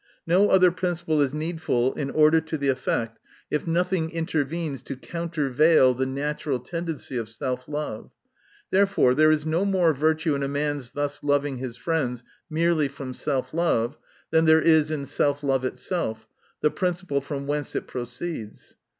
No other principle is needful in order to the effect, if nothing intervenes to countervail the natural tendency of self love. Therefore there is no more true virtue in a man's thus loving his friends merely from self love, than there is in self love itself, the principle from whence it proceeds.